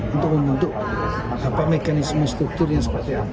untuk mengunduh mekanisme struktur yang seperti apa